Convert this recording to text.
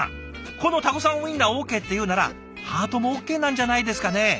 このタコさんウインナーオーケーっていうならハートもオーケーなんじゃないですかね？